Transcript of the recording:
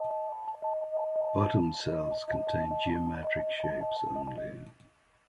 Bottom cells contain geometric shapes only.